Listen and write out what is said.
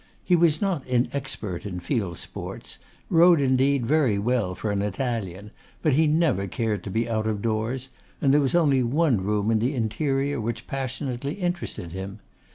He was not inexpert in field sports, rode indeed very well for an Italian, but he never cared to be out of doors; and there was only one room in the interior which passionately interested him.